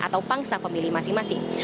atau pangsa pemilih masing masing